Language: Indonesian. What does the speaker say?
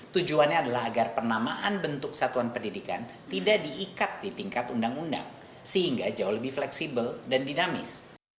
tujuannya adalah agar penamaan bentuk satuan pendidikan tidak diikat di tingkat undang undang sehingga jauh lebih fleksibel dan dinamis